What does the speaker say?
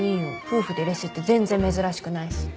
夫婦でレスって全然珍しくないし。